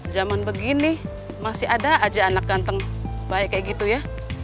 zaman begini masih ada aja anak ganteng baik kayak gitu ya